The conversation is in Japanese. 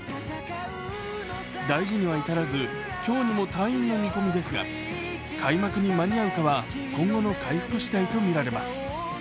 大事には至らず今日にも退院の見込みですが、開幕に間に合うかは、今後の回復しだいとみられます。